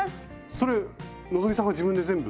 それ希さんが自分で全部？